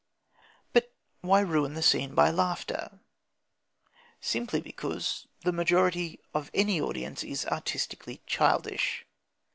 But why ruin the scene by laughter? Simply because the majority of any audience is artistically childish.